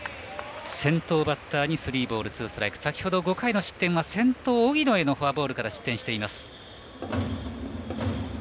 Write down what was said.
先頭バッターにスリーボールツーストライク先ほど５回の失点は先頭荻野へのフォアボールから失点しています。